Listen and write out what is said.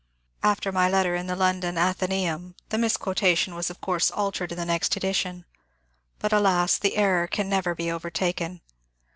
After my letter in the London ^* Atheneum " the mis quotation was of course altered in the next edition, but alas, the error can never be overtaken.